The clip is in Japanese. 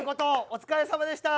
お疲れさまでした！